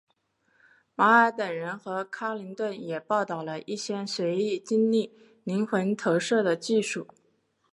马尔等人和卡林顿也报道了一些随意经历灵魂投射的技术。